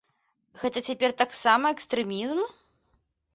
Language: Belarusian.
Гэта цяпер таксама экстрэмізм?